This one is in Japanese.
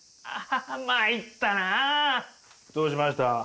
どうしました？